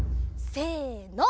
せの。